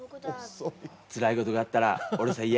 つらいことがあったら俺さ言え。